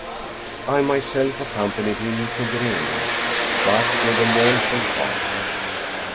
I myself accompanied him to Grenaa, but with a mournful heart.